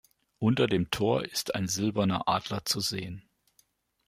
Unter dem Tor ist ein silberner Adler zu sehen.